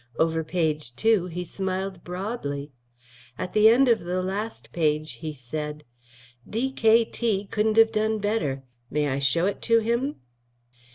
Over page two he smiled broadly. At the end of the last page he said: "D.K.T. couldn't have done better. May I show it to him?"